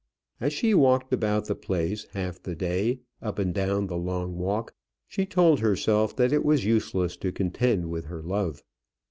As she walked about the place half the day, up and down the long walk, she told herself that it was useless to contend with her love.